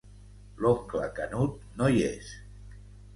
L'oncle Canut no hi és.